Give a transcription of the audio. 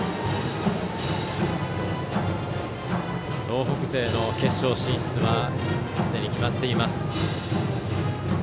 東北勢の決勝進出はすでに決まっています。